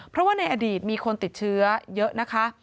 เพราะว่าในอดีตมีคนติดเชื้อเยอะนะคะ